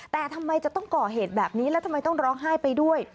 แต่ทำไมจะต้องก่อเหตุแบบนี้แล้วทำไมต้องร้องไห้ไปด้วย